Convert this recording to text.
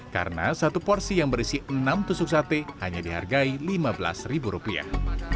karena satu porsi yang berisi enam tusuk sate hanya dihargai lima belas rupiah